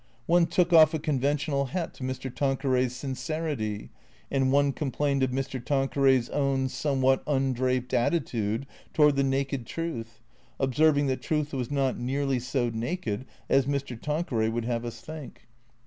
One took off a conventional hat to Mr. Tanqueray's sincerity ; and one complained of " Mr. Tanqueray's own somewhat undraped attitude toward the naked truth," ob serving that truth was not nearly so naked as " Mr. Tanqueray would have us think."